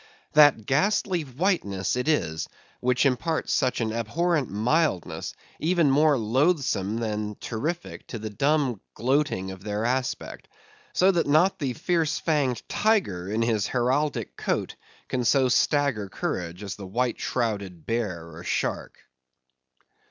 That ghastly whiteness it is which imparts such an abhorrent mildness, even more loathsome than terrific, to the dumb gloating of their aspect. So that not the fierce fanged tiger in his heraldic coat can so stagger courage as the white shrouded bear or shark.